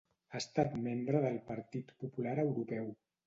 Ha estat membre del Partit Popular Europeu.